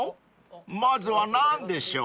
まずは何でしょう？］